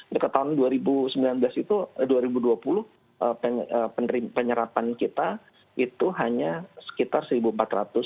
dekat tahun dua ribu sembilan belas itu dua ribu dua puluh penyerapan kita itu hanya sekitar rp satu empat ratus